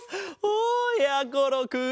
おやころくん。